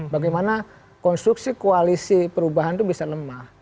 bagaimana konstruksi koalisi perubahan itu bisa lemah